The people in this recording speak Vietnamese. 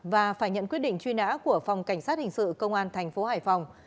và phải nhận quyết định truy nã của phòng cảnh sát hình sự công an tp hải phòng